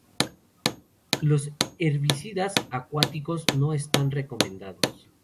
Los herbicidas acuáticos no están recomendados.